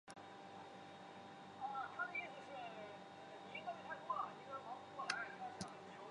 菲利普斯和马塔萨利努继续在银行的前门向警察射击。